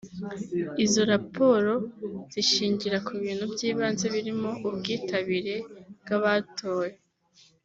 Izo raporo zishingira ku bintu byibanze birimo ubwitabire bw’abatoye